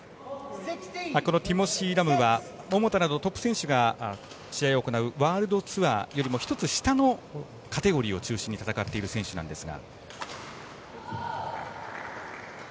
ティモシー・ラムは桃田など、トップ選手が試合を行うワールドツアーよりも１つ下のカテゴリーを中心に戦っている選手なんですが。